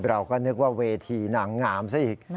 เราก็นึกว่าเวทีนางงามซะอีก